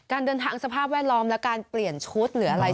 เดินทางสภาพแวดล้อมและการเปลี่ยนชุดหรืออะไร